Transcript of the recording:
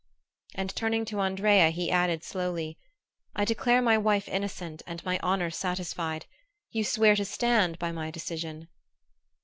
And turning to Andrea he added slowly: "I declare my wife innocent and my honor satisfied. You swear to stand by my decision?"